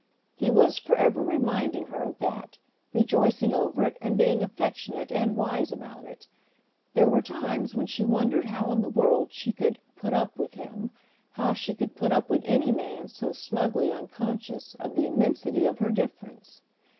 He was for ever reminding her of that, rejoicing over it and being affectionate and wise about it. There were times when she wondered how in the world she could "put up with" him, how she could put up with any man so smugly unconscious of the immensity of her difference.